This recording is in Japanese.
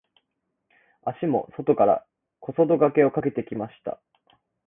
足も外から小外掛けをかけてきました。